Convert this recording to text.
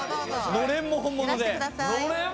のれんも本物？